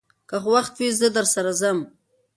که وخت وي، زه درسره ځم.